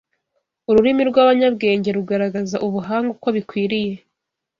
Ururimi rw’abanyabwenge rugaragaza ubuhanga uko bikwiriye